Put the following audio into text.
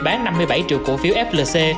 bán năm mươi bảy triệu cổ phiếu flc